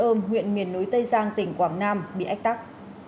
trời ơm huyện miền núi tây giang tỉnh quảng nam bị ách tắc